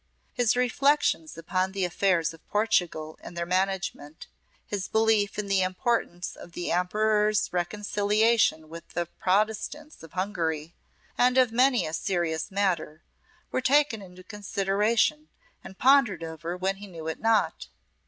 His reflections upon the affairs of Portugal and their management, his belief in the importance of the Emperor's reconciliation with the Protestants of Hungary, and of many a serious matter, were taken into consideration and pondered over when he knew it not.